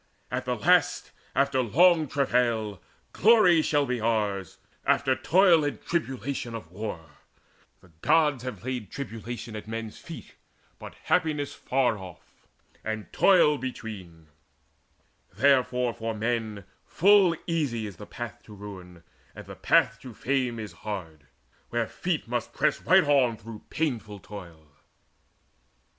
At the last, After long travail, glory shall be ours, Ours, after toil and tribulation of war; The Gods have laid tribulation at men's feet But happiness far off, and toil between: Therefore for men full easy is the path To ruin, and the path to fame is hard, Where feet must press right on through painful toil."